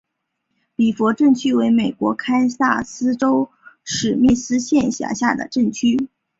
比弗镇区为美国堪萨斯州史密斯县辖下的镇区。